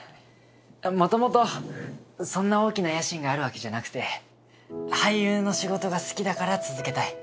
もともとそんな大きな野心があるわけじゃなくて俳優の仕事が好きだから続けたい。